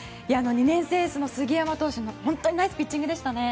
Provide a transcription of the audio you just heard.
２年生エースの杉山投手ナイスピッチングでしたね。